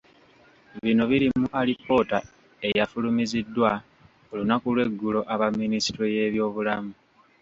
Bino biri mu alipoota eyafulumiziddwa olunaku lw'eggulo aba minisitule y'ebyobulamu.